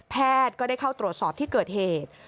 ก็ได้เข้าตรวจสอบที่เกิดเหตุ